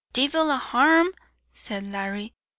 "Divil a harm," said Larry.